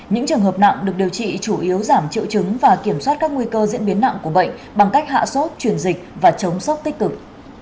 những trường hợp nặng được điều trị chủ yếu giảm triệu chứng và kiểm soát các nguy cơ diễn biến nặng của bệnh bằng cách hạ sốt chuyển dịch và chống sốc tích cực